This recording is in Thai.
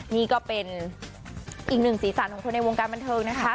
นี่ก็เป็นอีกหนึ่งสีสันของคนในวงการบันเทิงนะคะ